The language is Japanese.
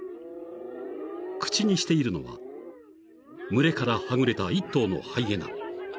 ［口にしているのは群れからはぐれた一頭のハイエナ］